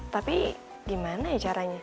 tapi gimana sih caranya